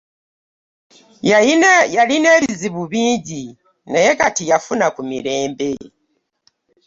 Yalina ebizibu bingi naye kati yafuna ku mirembe.